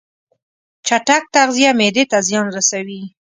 چټک تغذیه معدې ته زیان رسوي.